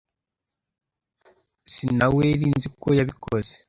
Sinaweri nzi ko yabikoze.